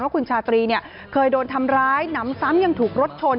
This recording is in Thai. คุณชาตรีเคยโดนทำร้ายหนำซ้ำยังถูกรถชน